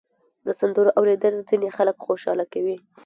د سندرو اورېدل ځینې خلک خوشحاله کوي.